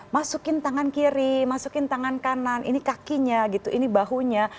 masukin tangan kiri masukin tangan kanan ini kakinya gitu ini bahunya